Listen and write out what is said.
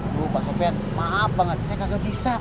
aduh pak sofian maaf banget saya gak bisa